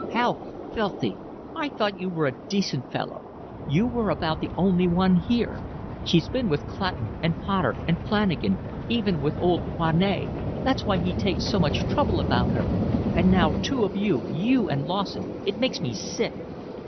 "How filthy! I thought you were a decent fellow. You were about the only one here. She's been with Clutton and Potter and Flanagan, even with old Foinet—that's why he takes so much trouble about her—and now two of you, you and Lawson. It makes me sick."